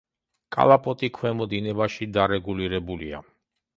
კალაპოტი ქვემო დინებაში დარეგულირებულია.